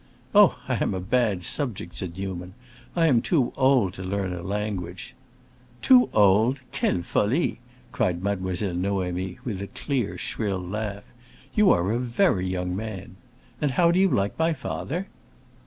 "Oh, I am a bad subject," said Newman. "I am too old to learn a language." "Too old? Quelle folie!" cried Mademoiselle Noémie, with a clear, shrill laugh. "You are a very young man. And how do you like my father?"